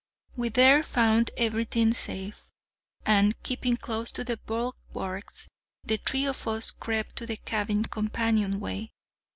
We there found everything safe, and, keeping close to the bulwarks, the three of us crept to the cabin companion way.